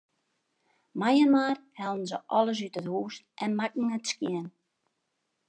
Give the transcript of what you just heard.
Mei-inoar hellen se alles út it hús en makken it skjin.